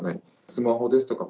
スマホですとか、